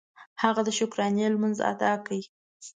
هغه د شکرانې لمونځ ادا کړ.